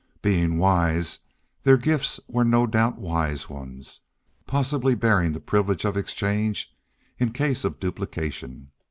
Being wise, their gifts were no doubt wise ones, possibly bearing the privilege of exchange in case of duplication.